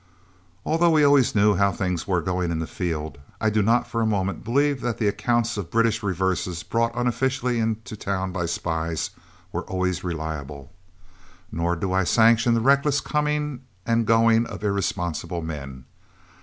Although we always knew how things were going in the field, I do not for a moment believe that the accounts of British reverses brought unofficially in to town by the spies were always reliable, nor do I sanction the reckless coming and going of irresponsible men.